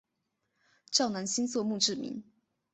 赵南星作墓志铭。